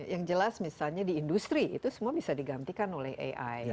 yang jelas misalnya di industri itu semua bisa digantikan oleh ai